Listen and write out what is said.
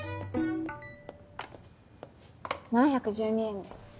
７１２円です。